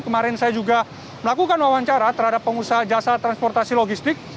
kemarin saya juga melakukan wawancara terhadap pengusaha jasa transportasi logistik